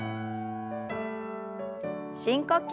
深呼吸。